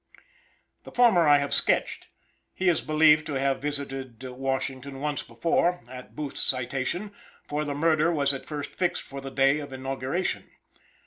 The former I have sketched; he is believed to have visited Washington once before, at Booth's citation; for the murder was at first fixed for the day of inauguration.